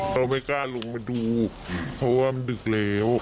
เขาไม่กล้าลงมาดูเพราะว่ามันดึกแล้ว